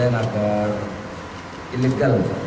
impor barang bekas ilegal